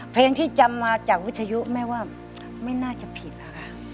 เพลงที่จำมาจากวิทยุแม่ว่าไม่น่าจะผิดแล้วค่ะ